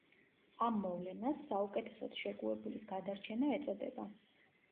ამ მოვლენას, საუკეთესოდ შეგუებულის გადარჩენა ეწოდება.